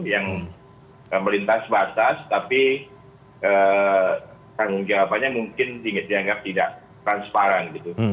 yang melintas batas tapi tanggung jawabannya mungkin dianggap tidak transparan gitu